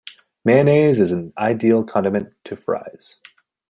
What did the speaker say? Mayonnaise is an ideal condiment to Fries.